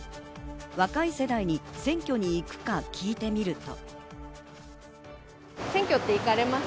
若い世代に選挙に行くか聞いてみると。